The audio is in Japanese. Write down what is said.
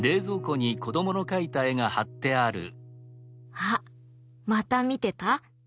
あまた見てた？